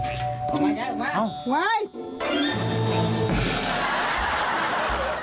เอามายายออกมาวายโอ้โฮ